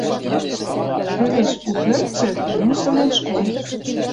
Тӹвеш у пӧртшӹ — тыменьшӹвлӓн школ.